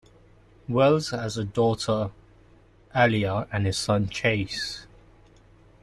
Wells has a daughter, Alyiah, and a son, Chase.